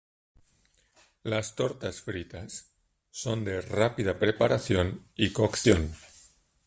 Las tortas fritas son de rápida preparación y cocción.